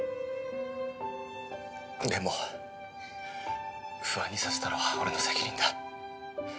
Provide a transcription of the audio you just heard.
でも不安にさせたのは俺の責任だ。